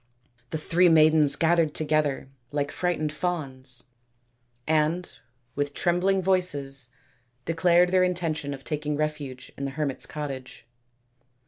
The three maidens gathered together like frightened fawns, and with trembling voices declared their intention of taking refuge in the hermits' cottage.